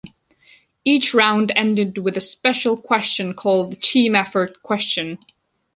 Each round ended with a special question called the "Team Effort Question".